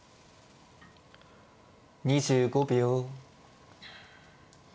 ２５秒。